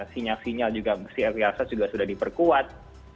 sinyal sinyal juga masih riasan juga sudah diperkuat